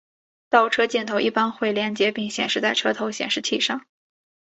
倒车镜头一般会连结并显示在车头显示器上。